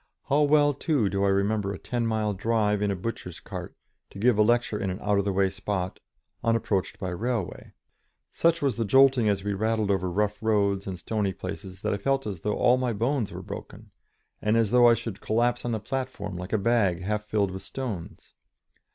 How well, too, do I remember a ten mile drive in a butcher's cart, to give a lecture in an out of the way spot, unapproached by railway. Such was the jolting as we rattled over rough roads and stony places, that I felt as though all my bones were broken, and as though I should collapse on the platform like a bag half filled with stones.